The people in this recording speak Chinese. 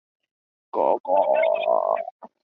首府为曼布劳。